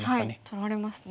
取られますね。